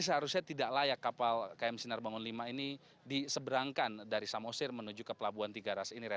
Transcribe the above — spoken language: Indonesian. seharusnya tidak layak kapal km sinar bangun v ini diseberangkan dari samosir menuju ke pelabuhan tiga ras ini